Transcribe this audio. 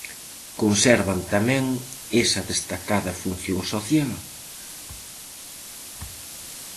Conservan tamén esa destacada función social?